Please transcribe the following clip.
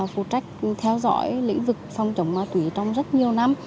phụ trách theo dõi lĩnh vực phòng chống ma túy trong rất nhiều năm